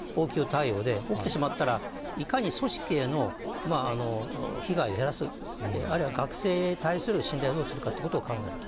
３つ目が今回の応急対応で、起きてしまったらいかに組織への被害を減らす、あるいは学生に対する信頼をするどうかということを考えると。